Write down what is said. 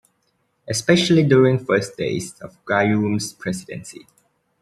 Especially during the first days of Gayoom's Presidency.